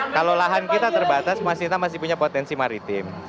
kalau lahan kita terbatas kita masih punya potensi maritim